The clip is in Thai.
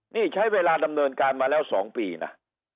นี่ใช้เวลาดำเนินการมาแล้ว๒ปีนะ